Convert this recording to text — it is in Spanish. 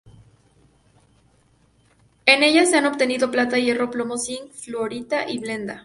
En ellas se han obtenido plata, hierro, plomo, zinc, fluorita y blenda.